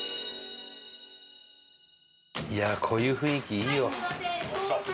いやこういう雰囲気いいよ。